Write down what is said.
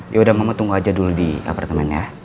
yaudah mama tunggu aja dulu di apartemen ya